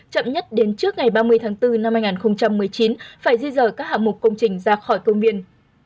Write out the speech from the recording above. chậm nhất đến trước ngày ba mươi tháng bốn năm hai nghìn một mươi chín phải di rời các hạng mục công trình ra khỏi công viên